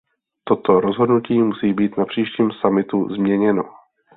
Toto rozhodnutí musí být na příštím summitu změněno.